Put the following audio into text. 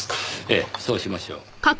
ええそうしましょう。